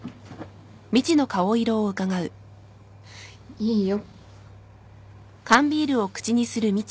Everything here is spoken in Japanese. いいよ。